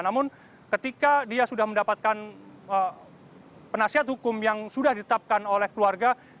namun ketika dia sudah mendapatkan penasihat hukum yang sudah ditetapkan oleh keluarga